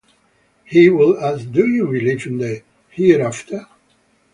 He would ask Do you believe in the hereafter?